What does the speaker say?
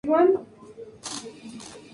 Su Santo Patrono es "San Miguel Arcángel".